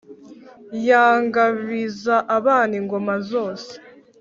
yangabiza abana ingoma zose